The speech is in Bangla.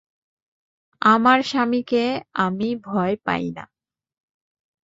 আমার স্বামীকে আমি ভয় পাই না।